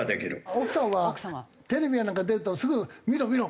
奥さんはテレビやなんか出るとすぐ「見ろ見ろ！